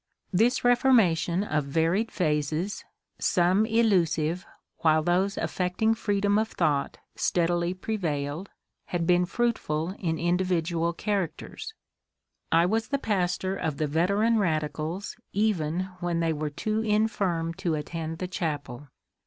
This Reformation of varied phases — some illusive while those affecting freedom of thought steadily prevailed — had been fruitful in individual characters. I was the pastor of the veteran radicals even when they were too infirm to at tend the chapel.